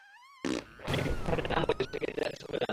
একটি স্থানের নাম বলে সেদিকে যাচ্ছে বলে জানায়।